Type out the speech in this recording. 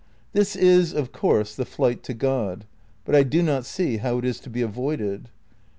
This is, of course, the flight to God ; but I do not see how it is to be avoided.